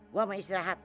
gua mau istirahat